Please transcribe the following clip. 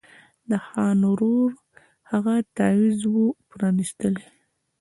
د خان ورور هغه تعویذ وو پرانیستلی